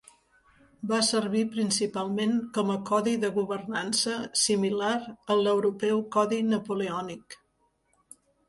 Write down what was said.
Va servir principalment com a codi de governança similar al l'europeu Codi Napoleònic.